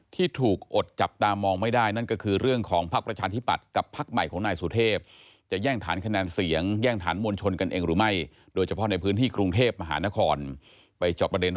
ที่ถูกอดจับตามองไม่ได้